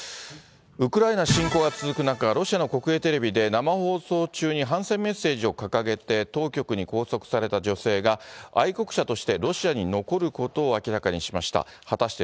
ウクライナ侵攻が続く中、ロシアの国営テレビで生放送中に反戦メッセージを掲げて当局に拘束された女性が、愛国者としてロシアに残ることを明らかにしました。